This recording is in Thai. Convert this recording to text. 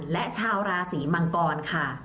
และชาวราศีมังกรค่ะ